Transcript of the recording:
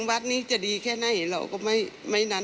วัดนี้จะดีแค่ไหนเราก็ไม่นั้น